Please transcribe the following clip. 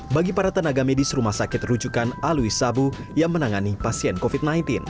bagi para tenaga medis rumah sakit rujukan alwi sabu yang menangani pasien covid sembilan belas